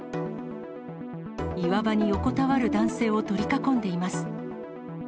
岩場に横たわる男性を取り囲んでいます。